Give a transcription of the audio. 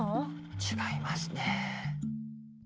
違いますね。